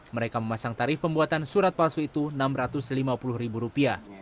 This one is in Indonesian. mereka memasang tarif pembuatan surat palsu itu rp enam ratus lima puluh